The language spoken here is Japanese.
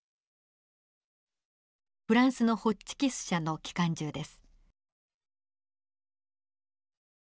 フランスのホッチキス社の機関銃です。